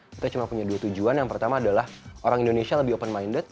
kita cuma punya dua tujuan yang pertama adalah orang indonesia lebih open minded